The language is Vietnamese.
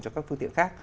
cho các phương tiện khác